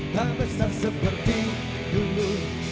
tak besar seperti dulu